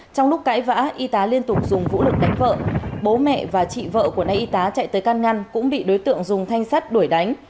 trong lúc cãi vã y tá liên tục dùng vũ lực đánh vợ bố mẹ và chị vợ của nay y tá chạy tới can ngăn cũng bị đối tượng dùng thanh sắt đuổi đánh